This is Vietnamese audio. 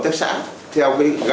làm sao hình thành những chuỗi sản phẩm